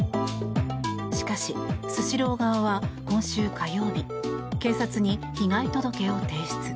しかし、スシロー側は今週火曜日警察に被害届を提出。